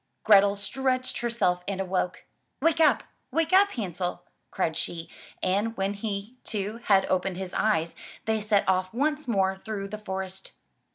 Grethel stretched her self and awoke. "Wake up! Wake up. Hansel," cried she, and when he, too, had opened his eyes, they set off once more through the forest.